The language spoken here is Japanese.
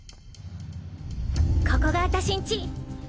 ここが私んち。